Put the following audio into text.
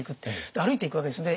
歩いていくわけですね。